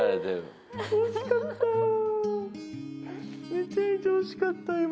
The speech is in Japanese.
めちゃめちゃ惜しかった今。